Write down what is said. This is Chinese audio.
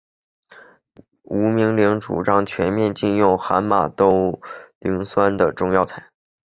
吴明铃主张全面禁用含马兜铃酸的中药材。